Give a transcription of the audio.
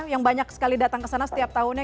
yang banyak sekali datang ke sana setiap tahunnya